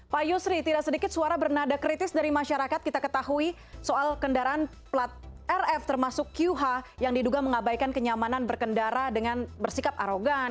pak yusri tidak sedikit suara bernada kritis dari masyarakat kita ketahui soal kendaraan plat rf termasuk qh yang diduga mengabaikan kenyamanan berkendara dengan bersikap arogan